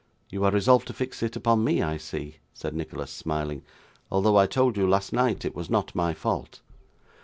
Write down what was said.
'You are resolved to fix it upon me, I see,' said Nicholas, smiling, 'although I told you, last night, it was not my fault.